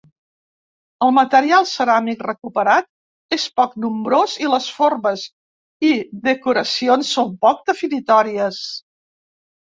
El material ceràmic recuperat és poc nombrós i les formes i decoracions són poc definitòries.